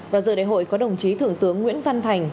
vào giờ đại hội có đồng chí thưởng tướng nguyễn văn thành